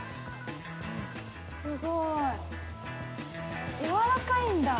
すごい柔らかいんだ。